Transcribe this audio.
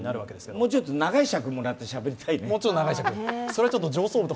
もうちょっと長い尺をもらって、しゃべりたいね。